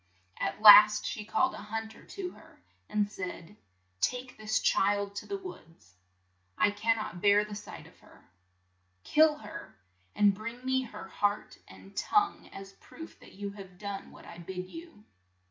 At last she called a hunt er to her, and said, '' Take this child to the woods ; I can not bear the sight of her. Kill her, and bring me her heart and tongue as a proof that you have done what I bid you."